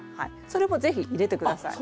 それも是非入れて下さい。